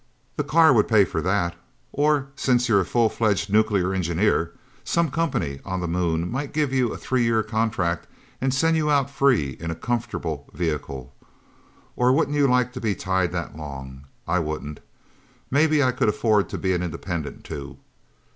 The car would pay for that. Or since you're a full fledged nuclear engineer, some company on the Moon might give you a three year contract and send you out free in a comfortable vehicle. Or wouldn't you like to be tied that long? I wouldn't. Maybe I could afford to be an independent, too.